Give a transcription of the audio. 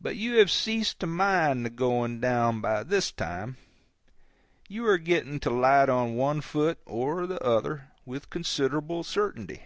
But you have ceased to mind the going down by this time; you are getting to light on one foot or the other with considerable certainty.